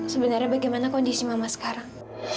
sebenarnya bagaimana kondisi mama sekarang